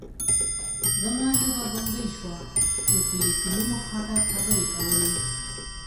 زما ژبه ګونګۍ شوه، خو تلیفوني مخاطب خبرې کولې.